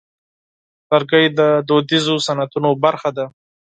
لرګی د دودیزو صنعتونو برخه ده.